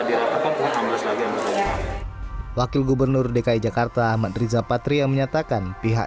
diatakan ambles lagi ambles lagi wakil gubernur dki jakarta menteri zapatri yang menyatakan pihaknya